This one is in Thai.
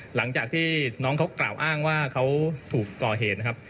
หลังจากที่น้องเขากล่าวอ้างว่าเขาถูกก่อเหตุนะครับ